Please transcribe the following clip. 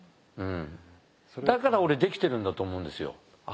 だから俺できてるんだと思うんですよ。